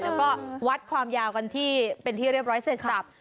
แล้วก็วัดความยาวกันที่เป็นที่เรียบร้อยเสร็จสับ